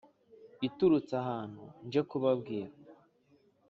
Iturutse ahantu nje kubabwira